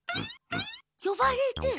「よばれて」。